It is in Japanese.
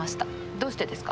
どうしてですか？